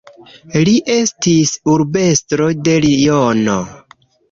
Li estis urbestro de Liono.